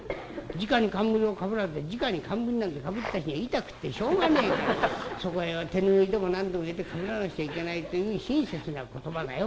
じかに冠をかぶらずってじかに冠なんてかぶった日には痛くってしょうがねえからそこへ手拭いでも何でも入れてかぶらなくちゃいけないっていう親切な言葉だよ。